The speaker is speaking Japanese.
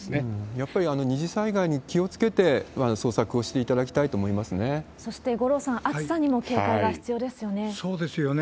やっぱり二次災害に気をつけて捜索をしていただきたいと思いそして五郎さん、暑さにも警そうですよね。